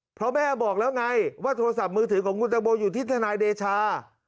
เพราะแม่บอกแล้วไงว่าโทรศัพท์มือถือของคุณตังโมอยู่ที่ทนายเดชา